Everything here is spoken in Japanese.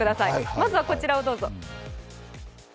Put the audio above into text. まずはこちらをどうぞ。